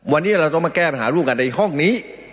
วันนี้เราต้องมาแก้ปัญหาร่วมกันในห้องนี้